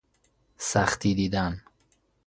سختی دیدن